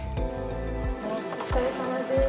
お疲れさまです。